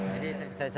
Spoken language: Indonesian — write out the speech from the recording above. jadi saya tersangkut ya